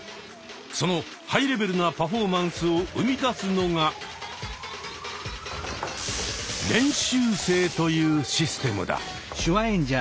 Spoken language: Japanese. そのハイレベルなパフォーマンスを生み出すのが「練習生」というシステムだ。